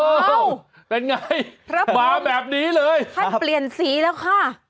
โอ้โหเป็นไงมาแบบนี้เลยพระพรมให้เปลี่ยนสีแล้วค่ะ